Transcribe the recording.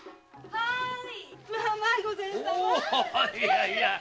はい！